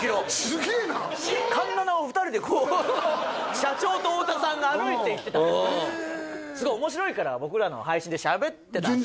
すげえな環七を２人でこう社長と太田さんが歩いていってたすごい面白いから僕らの配信でしゃべってたんです